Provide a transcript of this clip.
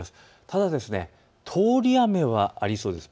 ただ、通り雨はありそうです。